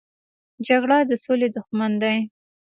جګړه د سولې دښمن دی